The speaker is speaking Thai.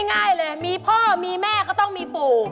ง่ายเลยมีพ่อมีแม่ก็ต้องมีปู่